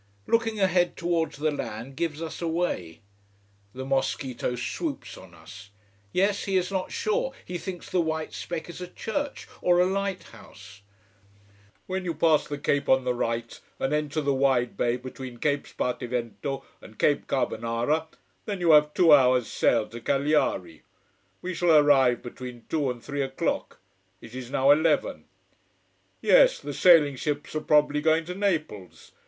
Looking ahead towards the land gives us away. The mosquito swoops on us. Yes he is not sure he thinks the white speck is a church or a lighthouse. When you pass the cape on the right, and enter the wide bay between Cape Spartivento and Cape Carbonara, then you have two hours sail to Cagliari. We shall arrive between two and three o'clock. It is now eleven. Yes, the sailing ships are probably going to Naples.